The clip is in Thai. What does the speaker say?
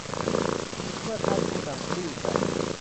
เมื่อท่านผู้นำกริ้วจัด